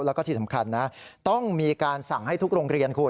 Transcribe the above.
แล้วก็ที่สำคัญนะต้องมีการสั่งให้ทุกโรงเรียนคุณ